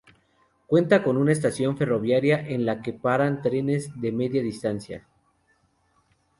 Cuenta con una estación ferroviaria en la que paran trenes de Media Distancia.